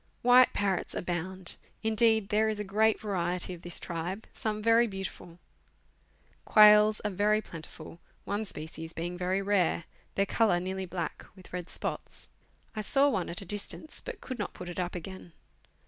White parrots abound. Indeed, there is a great variety of this tribe, some very beautiful. Quill are very plentiful, one species being very rare ; their colour nearly black, with red spots. I saw one at a distance, but could not put it up again.